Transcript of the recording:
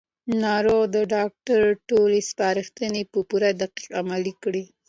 ناروغ د ډاکټر ټولې سپارښتنې په پوره دقت عملي کړې